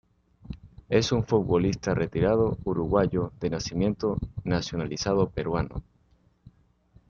Es un futbolista retirado, uruguayo de nacimiento, nacionalizado peruano.